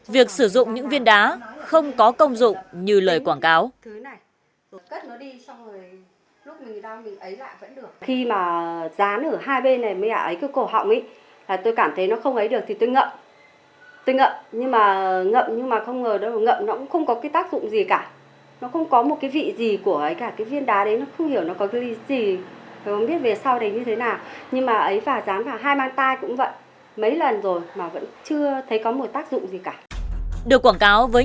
việc sử dụng những viên đá không có công dụng như lời quảng cáo